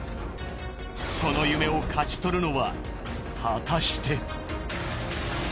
その夢を勝ち取るのは果たして？